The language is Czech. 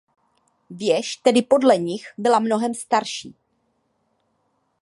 Věž tedy podle nich byla mnohem starší.